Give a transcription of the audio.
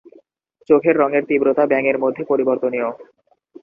চোখের রঙের তীব্রতা ব্যাঙের মধ্যে পরিবর্তনীয়।